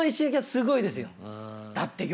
すごいですよ。